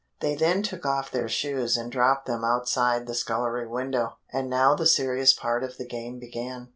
They then took off their shoes and dropped them outside the scullery window, and now the serious part of the game began.